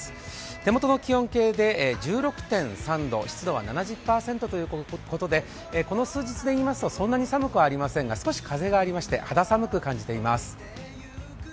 手元の気温計で１６．３度、湿度は７０％ということでこの数日でいいますとそんなに寒くありませんが少し風がありまして肌寒く感じています。